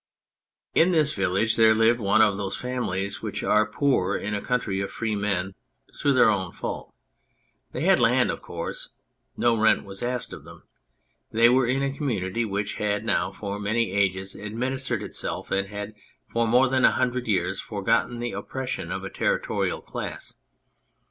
167 On Anything In this village there lived one of those families which are poor in a country of free men through their own fault ; they had land, of course ; no rent was asked of them ; they were in a community which had now for many ages administered itself, and had for more than a hundred years forgotten the oppression of a territorial class.